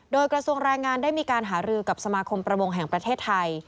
โดยกระทรวงแรงงานได้มีการหารือกับสมาคมประวงแห่งประเทศไทย